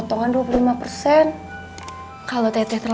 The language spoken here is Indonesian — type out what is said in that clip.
mamak nih selalu i theres